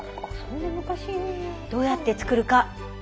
どうやって作るか？